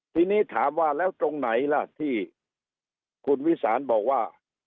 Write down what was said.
ทีนี้ถามว่าแล้วตรงไหนล่ะที่คุณวิสานบอกว่า